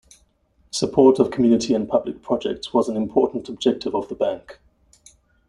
Support of community and public projects was an important objective of the bank.